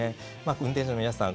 運転手の皆さん